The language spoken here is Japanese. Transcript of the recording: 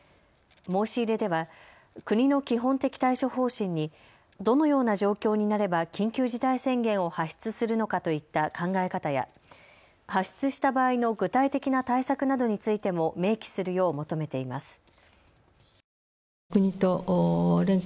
申し入れでは国の基本的対処方針にどのような状況になれば緊急事態宣言を発出するのかといった考え方や発出した場合の具体的な対策などについても明記するよう求めています。